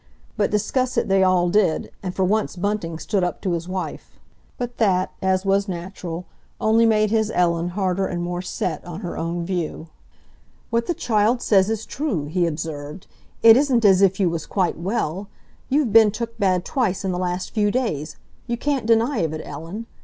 But discuss it they all did, and for once Bunting stood up to his wife. But that, as was natural, only made his Ellen harder and more set on her own view. "What the child says is true," he observed. "It isn't as if you was quite well. You've been took bad twice in the last few days—you can't deny of it, Ellen.